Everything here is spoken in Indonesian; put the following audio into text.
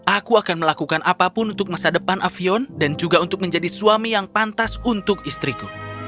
aku akan melakukan apapun untuk masa depan avion dan juga untuk menjadi suami yang pantas untuk istriku